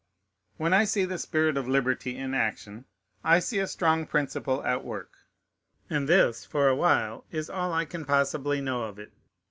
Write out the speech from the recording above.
When I see the spirit of liberty in action, I see a strong principle at work; and this, for a while, is all I can possibly know of it.